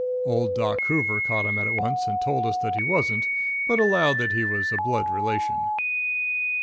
Old Doc Hoover caught him at it once and told us that he wasn't, but allowed that he was a blood relation.